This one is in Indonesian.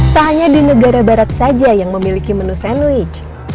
tak hanya di negara barat saja yang memiliki menu sandwich